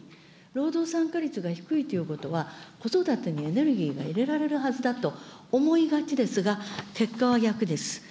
労働参加率が低いということは、子育てにエネルギーが入れられるはずだと思いがちですが、結果は逆です。